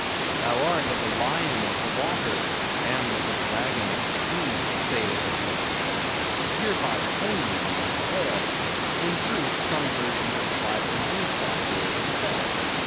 "Thou art as a lion of the waters, and as a dragon of the sea," saith Ezekiel; hereby, plainly meaning a whale; in truth, some versions of the Bible use that word itself.